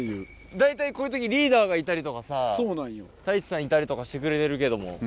大体こういう時リーダーがいたりとかさ太一さんいたりとかしてくれてるけども。